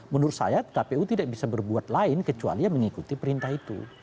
menurut saya kpu tidak bisa berbuat lain kecuali mengikuti perintah itu